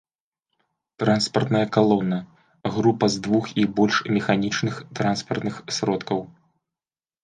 Транспартная калона — група з двух і больш механічных транспартных сродкаў